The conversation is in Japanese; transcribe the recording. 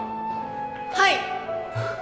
はい！